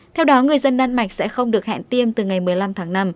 theo đó người dân đan mạch sẽ không được hẹn tiêm từ ngày một mươi năm tháng năm